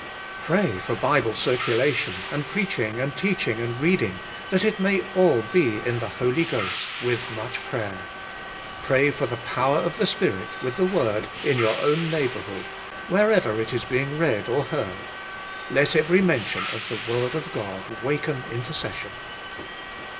Pray for Bible circulation, and preaching and teaching and reading, that it may all be in the Holy Ghost, with much prayer. Pray for the power of the Spirit with the word in your own neighbourhood, wherever it is being read or heard. Let every mention of "The Word of God " waken intercession.